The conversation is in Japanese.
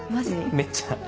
めっちゃ。